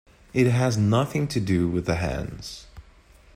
It has nothing to do with the hands.